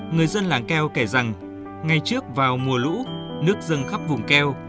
người dân làng keo kể rằng ngay trước vào mùa lũ nước dâng khắp vùng keo